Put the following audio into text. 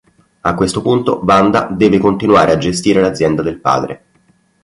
A questo punto Wanda deve continuare a gestire l'azienda del padre.